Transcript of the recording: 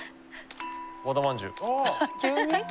和田まんじゅう。